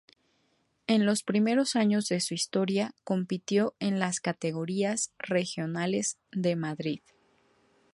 En los primeros años de su historia compitió en las categorías regionales de Madrid.